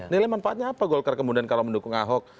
nilai manfaatnya apa golkar kemudian kalau mendukung ahok